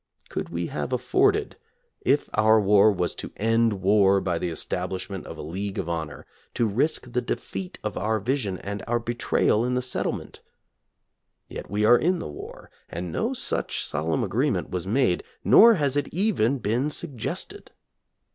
Could we have afforded, if our war was to end war by the establishment of a league of honor, to risk the defeat of our vision and our betrayal in the settlement'? Yet we are in the war, and no such solemn agreement was made, nor has it even been suggested.